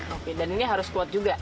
oke dan ini harus kuat juga